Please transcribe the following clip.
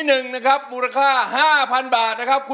น้องพ่อสิให้นำบอก